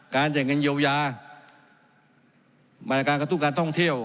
การเจอเงินเยียวยาบรรยาการกระทุกข์การท่องเที่ยว